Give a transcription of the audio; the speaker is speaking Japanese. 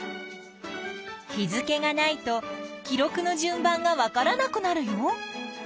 日付がないと記録の順番がわからなくなるよ。